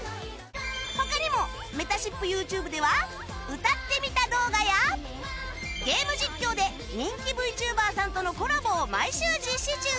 他にもめたしっぷ ＹｏｕＴｕｂｅ では歌ってみた動画やゲーム実況で人気 Ｖｔｕｂｅｒ さんとのコラボを毎週実施中